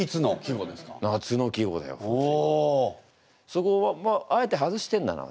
そこはあえて外してんだな